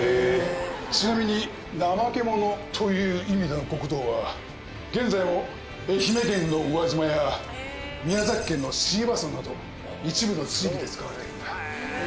ちなみに怠け者という意味でのごくどうは現在も愛媛県の宇和島や宮崎県の椎葉村など一部の地域で使われているんだ。